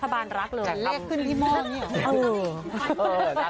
จะแรกขึ้นพี่ม่อเนี่ย